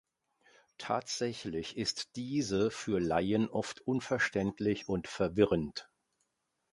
Tatsächlich ist diese für Laien oft unverständlich und verwirrend.